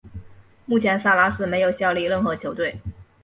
目前萨拉斯没有效力任何球队。